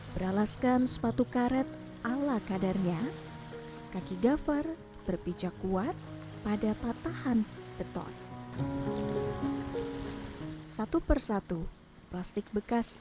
beralaskan sepatu karet ala kadarnya kaki gafar berpijak kuat pada patahan beton satu persatu plastik bekas